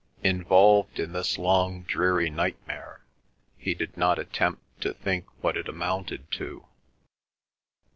Involved in this long dreary nightmare, he did not attempt to think what it amounted to.